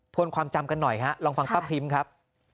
วนความจำกันหน่อยฮะลองฟังป้าพริ้งครับ